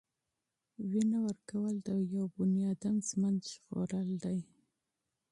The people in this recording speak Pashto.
وینه ورکول د یو انسان ژوند ژغورل دي.